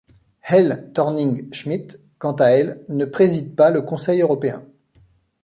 Helle Thorning-Schmidt, quant à elle, ne préside pas le Conseil européen.